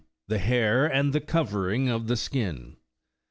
THE HAIR AND THE COVERING OF THE SKIN.